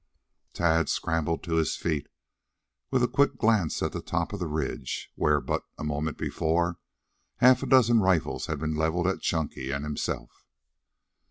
Tad scrambled to his feet, with a quick glance at the top of the ridge, where, but a moment before, half a dozen rifles had been leveled at Chunky and himself.